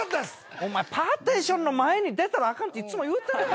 「お前パーテーションの前に出たらあかんっていつも言うてるやろ」